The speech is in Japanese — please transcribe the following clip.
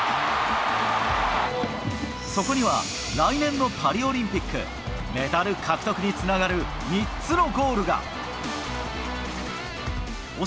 そこには、来年のパリオリンピック、メダル獲得につながる３つのゴールが。